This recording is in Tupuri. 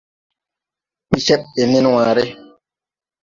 Pecèg gè nen waare.